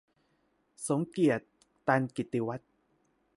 สมเกียรติ ตันกิตติวัฒน์